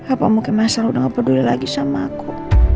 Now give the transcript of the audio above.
apa mungkin masal udah gak peduli lagi sama aku